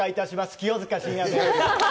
清塚信也です。